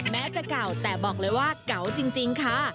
แม้จะเก่าแต่บอกเลยว่าเก่าจริงค่ะ